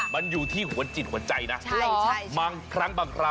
มันอยู่ที่หัวจิตหัวใจนะ